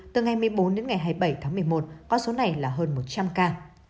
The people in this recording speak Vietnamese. từ ngày một mươi bốn đến ngày hai mươi bảy tháng một mươi một con số này là hơn một trăm linh ca